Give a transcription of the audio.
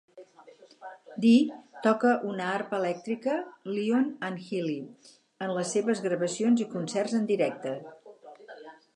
Dee toca una arpa elèctrica Lyon and Healy en les seves gravacions i concerts en directe.